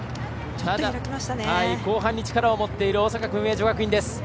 後半に力を持っている大阪薫英女学院です。